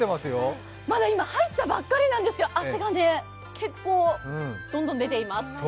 まだ今、入ったばっかりなんですけど、汗がどんどん出ています。